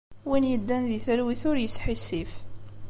Win yeddan di talwit ur yesḥissif.